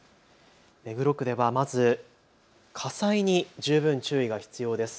目黒区ではまず火災に十分注意が必要です。